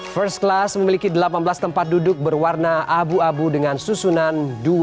first class memiliki delapan belas tempat duduk berwarna abu abu dengan susunan dua